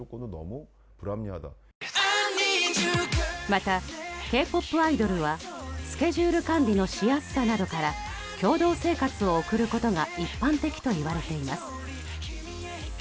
また、Ｋ‐ＰＯＰアイドルはスケジュール管理のしやすさなどから共同生活を送ることが一般的と言われています。